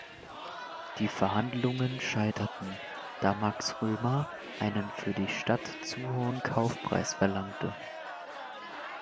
Die Verhandlungen scheiterten, da Max Römer einen für die Stadt zu hohen Kaufpreis verlangte.